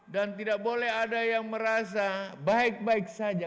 dan tidak boleh ada yang merasa baik baik saja